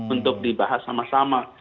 untuk dibahas sama sama